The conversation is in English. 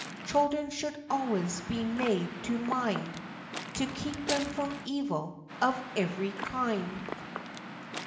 Children should always be made to mind, To keep them from evil of every kind.